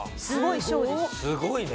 すごいね！